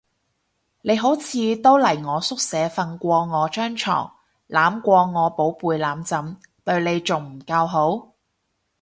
你好似都嚟我宿舍瞓過我張床，攬過我寶貝攬枕，對你仲唔夠好？